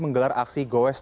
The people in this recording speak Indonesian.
menggelar aksi goes